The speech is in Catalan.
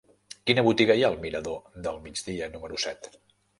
Quina botiga hi ha al mirador del Migdia número set?